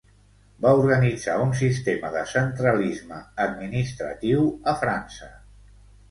Va organitzar un sistema de centralisme administratiu a França.